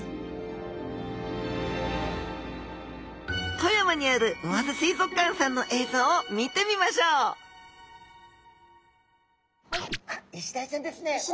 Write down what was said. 富山にある魚津水族館さんの映像を見てみましょうあイシダイちゃんですね。